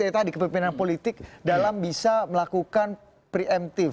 tadi kepemimpinan politik dalam bisa melakukan preventif